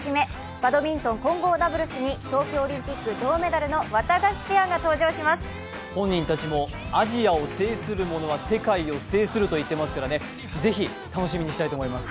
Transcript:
バドミントン混合ダブルスに東京オリンピック銅メダルの本人たちもアジアを制するものは世界を制すると言っていますからぜひ楽しみにしたいと思います。